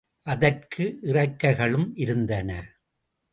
அதற்கு இறக்கைகளும் இருந்தன.